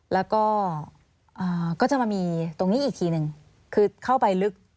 แล้วก็ก็จะมามีตรงนี้อีกทีหนึ่งคือเข้าไปลึก